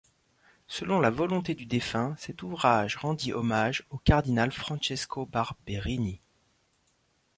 Selon la volonté du défunt, cet ouvrage rendit hommage au cardinal Francesco Barberini.